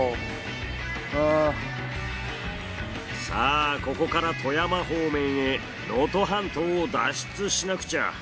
さあここから富山方面へ能登半島を脱出しなくちゃ。